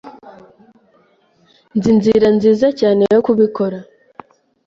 Nzi inzira nziza cyane yo kubikora.